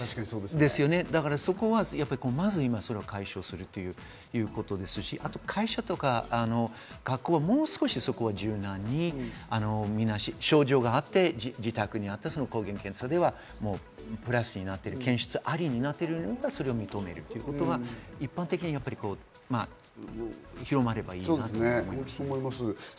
そこはまず、今それを解消するということですし、あと会社とか学校はもう少し柔軟に、症状があって自宅にあった抗原検査ではプラスになっている、検出ありになっているのであれば、認めるということが一般的に広まればいいなと思います。